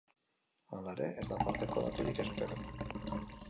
Hala ere, ez da aparteko daturik espero.